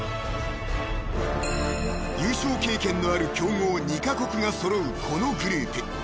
［優勝経験のある強豪２カ国が揃うこのグループ］